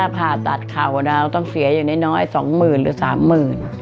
พ่อตัดข่าวต้องเสียอย่างน้อย๒หมื่นหรือ๓หมื่น